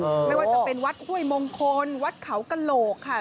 ไม่ว่าจะเป็นวัดห้วยมงคลวัดเขากระโหลกค่ะ